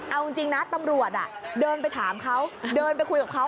เอาจริงนะตำรวจเดินไปถามเขาเดินไปคุยกับเขา